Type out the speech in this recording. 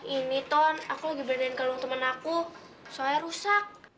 ini ton aku lagi beraniin kalung teman aku soalnya rusak